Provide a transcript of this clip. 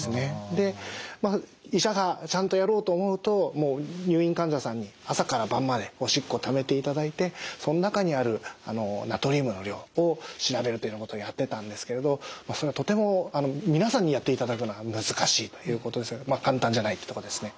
で医者がちゃんとやろうと思うともう入院患者さんに朝から晩までおしっこためていただいてその中にあるナトリウムの量を調べるということをやってたんですけれどそれはとても皆さんにやっていただくのは難しい簡単じゃないってとこですね。